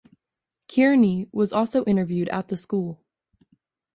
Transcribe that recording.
Kearney was also interviewed at the school.